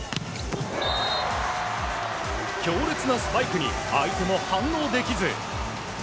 強烈なスパイクに相手も反応できず。